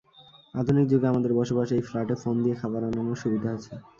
আধুনিক যুগে আমাদের বসবাস, এই ফ্ল্যাটে ফোন দিয়ে খাবার আনানোর সুবিধা আছে।